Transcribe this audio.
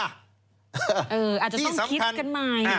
อาจจะต้องคิดกันใหม่